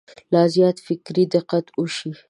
لا زیات فکري دقت وشي.